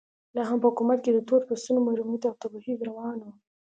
لا هم په حکومت کې د تور پوستو محرومیت او تبعیض روان و.